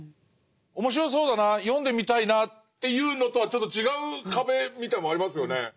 面白そうだな読んでみたいなっていうのとはちょっと違う壁みたいなものありますよね。